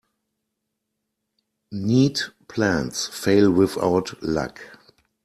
Neat plans fail without luck.